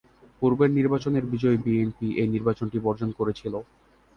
পূর্বের নির্বাচনের বিজয়ী বিএনপি এই নির্বাচনটি বর্জন করেছিল।